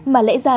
mà lẽ ra